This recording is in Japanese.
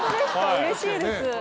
うれしいです。